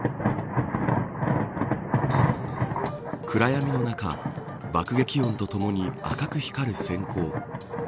暗闇の中爆撃音とともに赤く光る閃光。